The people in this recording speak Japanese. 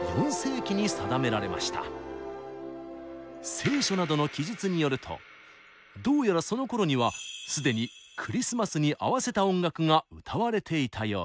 「聖書」などの記述によるとどうやらそのころには既にクリスマスに合わせた音楽が歌われていたようです。